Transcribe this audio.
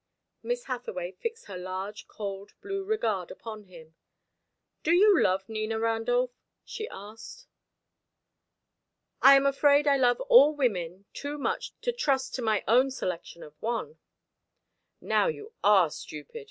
Miss Hathaway fixed her large cold blue regard upon him. "Do you love Nina Randolph?" she asked. "I am afraid I love all women too much to trust to my own selection of one." "Now you are stupid.